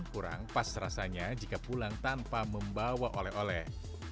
kurang pas rasanya jika pulang tanpa membawa oleh oleh